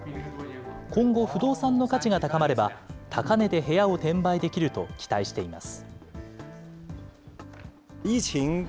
今後、不動産の価値が高まれば、高値で部屋を転売できると期待しています。